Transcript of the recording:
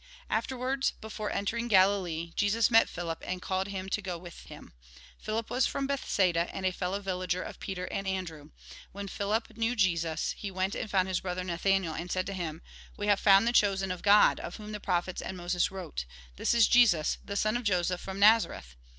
Afterwards, before entering Galilee, Jesus met PhUip, and called him to go with him. Philip was from Bethsaida, and a fellow villager of Peter and Andrew. "When Philip knew Jesus, he went and found his brother Nathanael, and said to him :" We have found the chosen of God, of whom the prophets and Moses wrote. This is Jesus, the son of Joseph, from Nazareth."